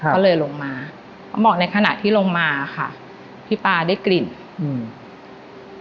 ก็เลยลงมาเขาบอกในขณะที่ลงมาค่ะพี่ป๊าได้กลิ่นอืม